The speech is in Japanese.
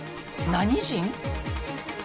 何人？